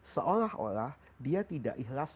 seolah olah dia tidak ikhlas